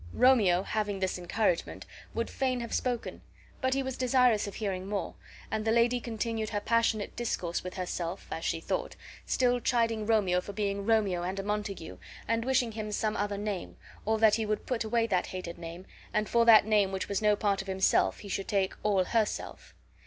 Romeo, having this encouragement, would fain have spoken, but he was desirous of hearing more; and the lady continued her passionate discourse with herself (as she thought), still chiding Romeo for being Romeo and a Montague, and wishing him some other name, or that he would put away that hated name, and for that name which was no part of himself he should take all herself.